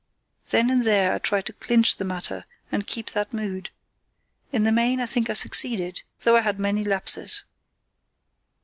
Then and there I tried to clinch the matter and keep that mood. In the main I think I succeeded, though I had many lapses.